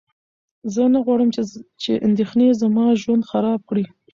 زه نه غواړم چې اندېښنې زما ژوند خراب کړي.